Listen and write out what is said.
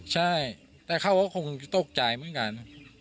ใช่แต่เขาก็คงจะตกใจเหมือนกัน